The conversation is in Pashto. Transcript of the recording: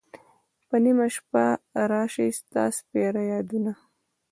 په نیمه شپه را شی ستا سپیره یادونه